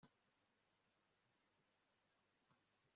benshi bifuza kuzahabwa ingororano n'intsinzi bigenewe abanesheje